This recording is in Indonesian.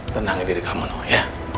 tenangin diri kamu nol